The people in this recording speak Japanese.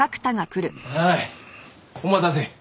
おいお待たせ。